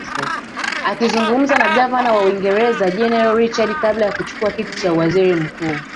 Akizungumza na Gavana wa Uingereza General Richard kabla ya kuchukua kiti cha uwaziri mkuu